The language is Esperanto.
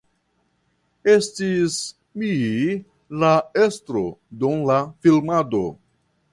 Estis "mi" la estro dum la filmado.